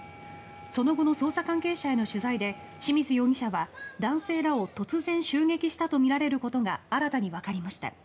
その後の捜査関係者への取材で清水容疑者は男性らを突然、襲撃したとみられることが新たにわかりました。